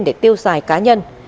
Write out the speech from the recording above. để tiêu xài cá nhân